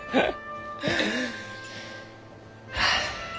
はあ。